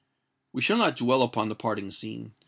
We shall not dwell upon the parting scene.